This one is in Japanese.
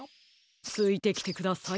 ついてきてください。